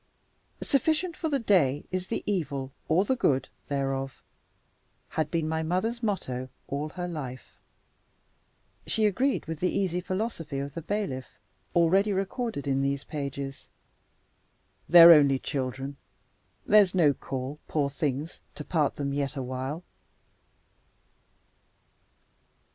"Sufficient for the day is the evil (or the good) thereof," had been my mother's motto all her life. She agreed with the easy philosophy of the bailiff, already recorded in these pages: "They're only children. There's no call, poor things, to part them yet a while."